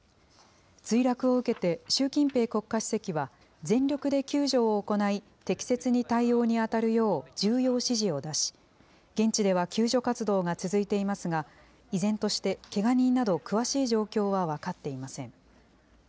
墜落を受けて、習近平国家主席は全力で救助を行い、適切に対応に当たるよう重要指示を出し、現地では救助活動が続いていますが、依然としてけが人など、詳しい状況は分かっていません。